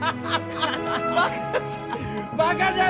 バカじゃ。